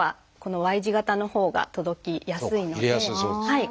はい。